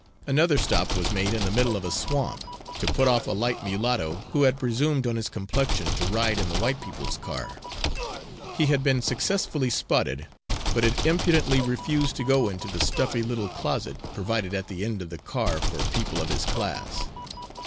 Another stop was made in the middle of a swamp, to put off a light mulatto who had presumed on his complexion to ride in the white people's car. He had been successfully spotted, but had impudently refused to go into the stuffy little closet provided at the end of the car for people of his class.